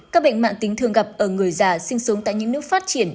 các bệnh mạng tính thường gặp ở người già sinh sống tại những nước phát triển